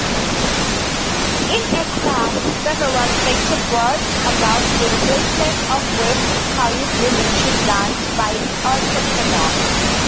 In aircraft, several factors brought about the replacement of rifle-calibre machine guns by autocannon.